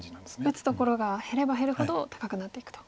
打つところが減れば減るほど高くなっていくと。